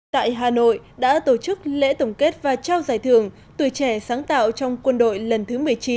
tại hà nội đã tổ chức lễ tổng kết và trao giải thưởng tuổi trẻ sáng tạo trong quân đội lần thứ một mươi chín